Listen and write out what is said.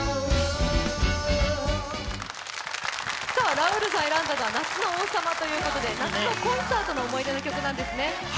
ラウールさんが選んだのは「夏の王様」ということで、夏のコンサートの思い出の曲なんですね。